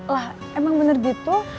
lah emang bener gitu